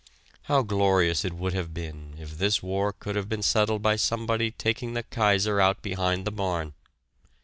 How glorious it would have been if this war could have been settled by somebody taking the Kaiser out behind the barn!